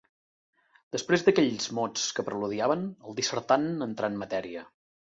Després d'aquells mots que preludiaven, el dissertant entrà en matèria.